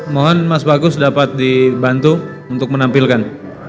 mohon mas bagus dapat dibantu untuk menampilkan